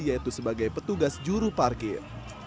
yaitu sebagai petugas juru parkir